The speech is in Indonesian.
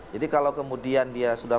jadi kalau kemudian dia sudah